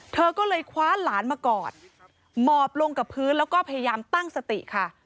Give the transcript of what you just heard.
เธอก็เลยคว้าหลานมากอดหมอบลงกับพื้นแล้วก็พยายามตั้งสติค่ะ